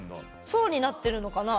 層になってるのかな